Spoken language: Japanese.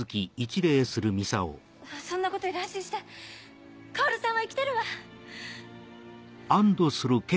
そんなことより安心して薫さんは生きてるわ。